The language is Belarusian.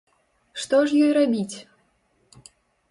Што ж ёй рабіць?